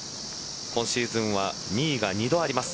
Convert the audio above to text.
今シーズンは２位が２度あります。